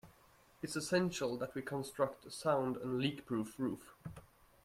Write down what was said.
It's essential that we construct a sound and leakproof roof.